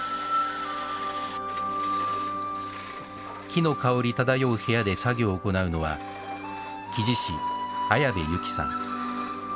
木の香り漂う部屋で作業行うのは木地師、綾部之さん。